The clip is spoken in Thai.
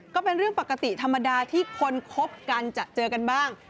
ก็เป็นเรื่องปกติธรรมดาที่คนคบกันจะเจอกันบ้าง